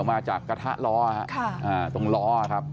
มาจากกระทะล้อตรงล้อครับ